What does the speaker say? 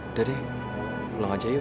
udah deh pulang aja yuk